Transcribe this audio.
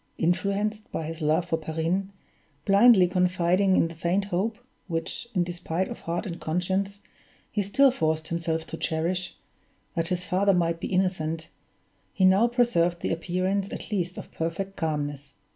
Influenced, by his love for Perrine, blindly confiding in the faint hope (which, in despite of heart and conscience, he still forced himself to cherish) that his father might be innocent, he now preserved the appearance at least of perfect calmness.